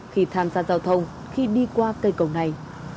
khi tham gia giao thông khi đi qua cây cầu này